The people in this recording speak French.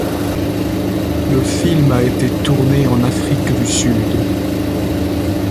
Le film a été tourné en Afrique du Sud.